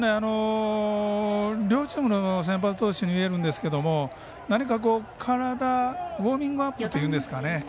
両チームの先発投手にいえるんですけど何か体、ウォーミングアップというんですかね